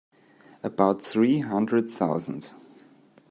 About three hundred thousand.